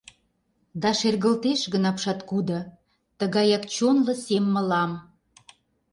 Да шергылтеш гын апшаткудо — Тыгаяк чонло сем мылам…